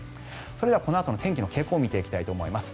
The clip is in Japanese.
それではこのあとの天気の傾向を見ていきたいと思います。